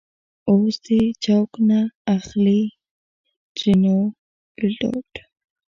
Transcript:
اوس دې چوک نه اخليں؛ ترينو ګړدود